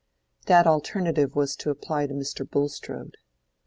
That alternative was to apply to Mr. Bulstrode.